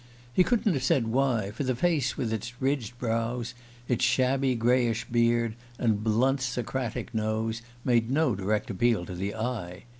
He couldn't have said why, for the face, with its ridged brows, its shabby greyish beard and blunt Socratic nose, made no direct appeal to the eye.